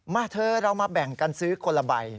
มาเธอเรามาแบ่งการซื้อก่นละใบ